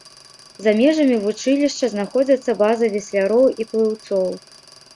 За межамі вучылішча знаходзяцца базы весляроў і плыўцоў.